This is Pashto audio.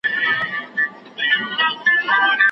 د لمر وړانګې هډوکو ته ډي ویټامین ورکوي.